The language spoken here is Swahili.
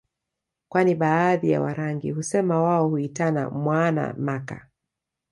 kwani baadhi ya Warangi husema wao huitana mwaana maka